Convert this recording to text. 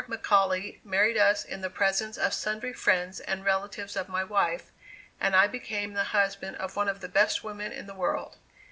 McAuley married us in the presence of sundry friends and relatives of my wife, and I became the husband of one of the best women in the world.